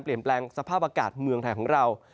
แปลงสภาพอากาศเมืองไทยของเรา